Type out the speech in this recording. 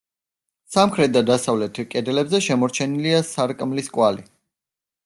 სამხრეთ და დასავლეთ კედლებზე შემორჩენილია სარკმლის კვალი.